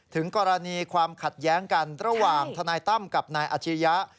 ถึงกรณีความขัดแย้งกันระหว่างทนายตั้มกับนายอาชิริยะ